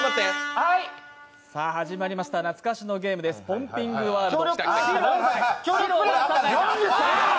始まりました、懐かしのゲームです、「ポンピングワールド」。